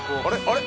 あれ？